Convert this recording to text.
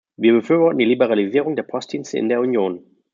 Wir befürworten die Liberalisierung der Postdienste in der Union.